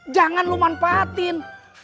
jangan lu manfaatin